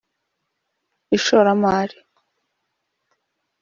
ishoramari